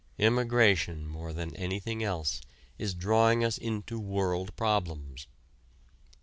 Immigration more than anything else is drawing us into world problems.